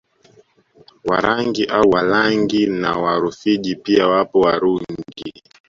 Warangi au Walangi na Warufiji pia wapo Warungi